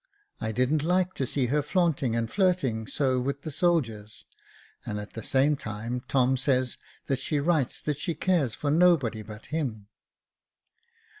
I didn't hke to see her flaunting and flirting so with the soldiers, and at the same time Tom says that she writes that she cares for nobody but him."